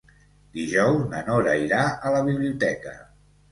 Dijous na Nora irà a la biblioteca.